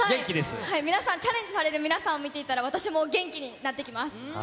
皆さん、チャレンジされる皆さんを見ていたら、私も元気になってきます。